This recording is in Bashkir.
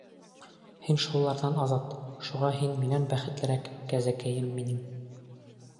Һин шуларҙан азат, шуға һин минән бәхетлерәк, кәзәкәйем минең.